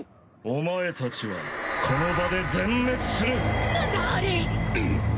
お前たちはこの場で全滅する。